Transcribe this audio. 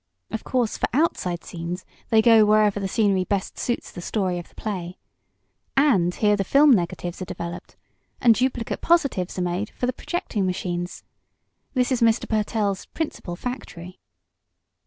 Of course, for outside scenes they go wherever the scenery best suits the story of the play. And here the film negatives are developed, and duplicate positives made for the projecting machines. This is Mr. Pertell's principal factory."